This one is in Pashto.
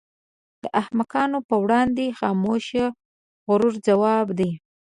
د احمقانو پر وړاندې خاموشي غوره ځواب دی.